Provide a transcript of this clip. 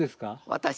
私？